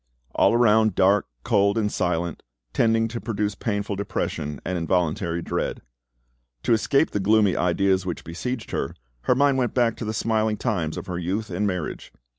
—all around dark, cold, and silent, tending to produce painful depression and involuntary dread. To escape the gloomy ideas which besieged her, her mind went back to the smiling times of her youth and marriage.